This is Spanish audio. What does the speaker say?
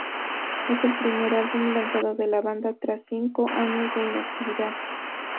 Es el primer álbum lanzado por la banda, tras cinco años de inactividad.